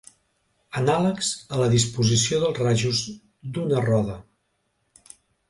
Anàlegs a la disposició dels rajos d'una roda.